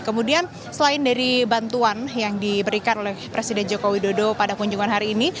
kemudian selain dari bantuan yang diberikan oleh presiden joko widodo pada kunjungan hari ini